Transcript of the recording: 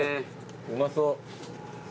うまそう。